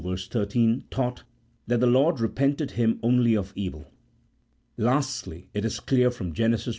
13) taught that the Lord repented Him only of evil. Lastly, it is clear from Gen. iv.